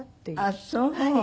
ああそう。